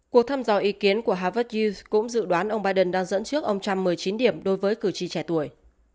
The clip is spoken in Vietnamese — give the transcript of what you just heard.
cuộc thăm dò ý kiến của harvard uz cũng dự đoán ông biden đang dẫn trước ông trump một mươi chín điểm đối với cử tri trẻ tuổi